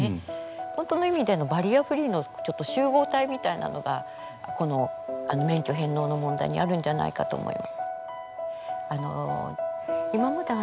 本当の意味でのバリアフリーのちょっと集合体みたいなのがこの免許返納の問題にあるんじゃないかと思います。